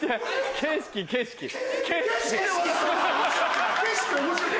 景色面白くない。